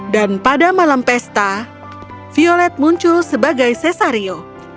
dan pada malam pesta violet muncul sebagai cesario